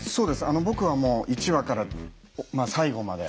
あの僕はもう１話から最後まで。